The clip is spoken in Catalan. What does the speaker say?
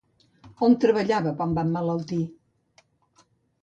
On treballava quan va emmalaltir?